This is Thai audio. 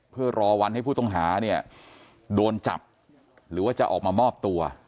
เพื่อรอวันให้ผู้ต้องหาเนี่ยโดนจับหรือว่าจะออกมามอบตัว